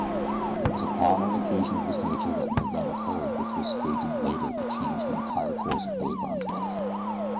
It was upon an occasion of this nature that an event occurred which was fated later to change the entire course of Billy Byrne's life.